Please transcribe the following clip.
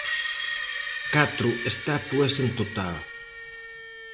Catro estatuas en total.